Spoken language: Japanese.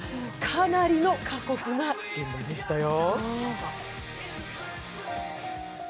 かなりの過酷な現場でしたよ。